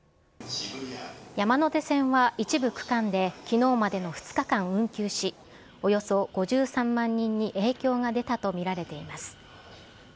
山手線は一部区間できのうまでの２日間運休し、およそ５３万人に影響が出たと見られています。